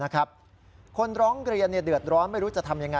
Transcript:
คนร้องเรียนเดือดร้อนไม่รู้จะทำยังไง